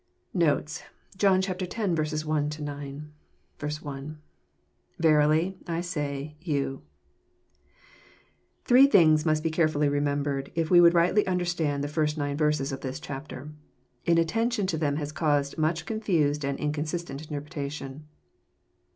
Notes. John X. 1—9. 1.— [ Verily.,,1 8ay.,.you.'] Tiree things must be careftiUy remem bered, if we would rightly understand the first nine verses of this chapter. Inattention to them has caused much confUsed and inconsistent interpretation.